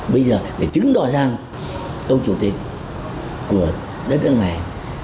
bây giờ để chứng đoán rằng ông chủ tịch của đất nước này